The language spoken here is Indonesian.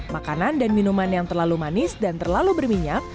makanan dan minuman yang terlalu manis dan terlalu berminyak